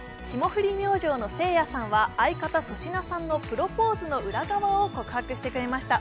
霜降り明星のせいやさんは相方・粗品さんのプロポーズの裏側を告白してくれました。